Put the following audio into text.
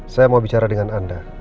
saya mau bicara dengan anda